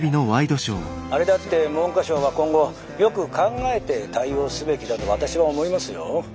あれだって文科省は今後よく考えて対応すべきだと私は思いますよ。